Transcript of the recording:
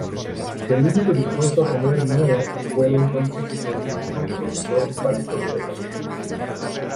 El único dispuesto a poner el dinero, fue el entonces prolífico productor Palito Ortega.